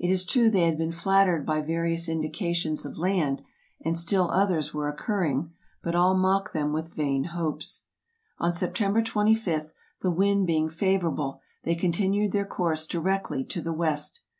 It is true they had been flattered by various indications of land, and still others were occurring; but all mocked them with vain hopes. On September 25, the wind being favorable, they continued their course directly to the west.